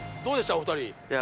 お二人。